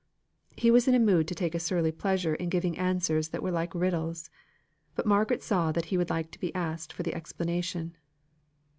He was in a mood to take a surly pleasure in giving answers that were like riddles. But Margaret saw that he would like to be asked for the explanation.